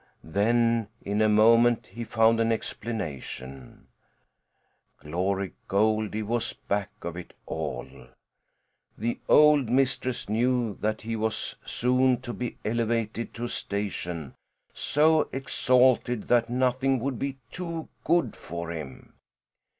Then in a moment, he found an explanation: Glory Goldie was back of it all. The old mistress knew that he was soon to be elevated to a station so exalted that nothing would be too good for him.